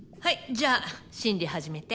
じゃあ審理始めて。